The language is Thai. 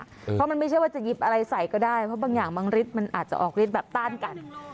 เพราะมันไม่ใช่ว่าจะหยิบอะไรใส่ก็ได้เพราะบางอย่างบางฤทธิมันอาจจะออกฤทธิแบบต้านกัน